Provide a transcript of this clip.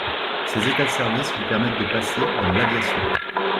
Ses états de service lui permettent de passer dans l'aviation.